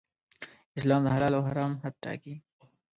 اسلام د حلال او حرام حد ټاکي.